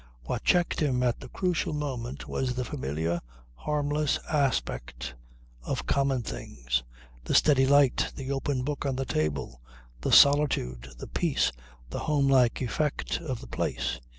What checked him at the crucial moment was the familiar, harmless aspect of common things, the steady light, the open book on the table, the solitude, the peace, the home like effect of the place.